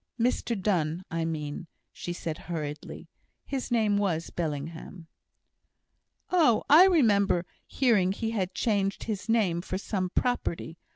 "Mr Donne, I mean," said she, hurriedly. "His name was Bellingham." "Oh! I remember hearing he had changed his name for some property.